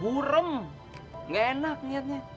burem nggak enak niatnya